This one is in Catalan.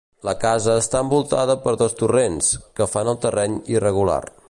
La casa està envoltada per dos torrents, que fan el terreny irregular.